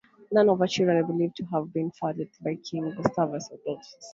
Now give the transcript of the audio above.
None of her children are believed to have been fathered by King Gustavus Adolphus.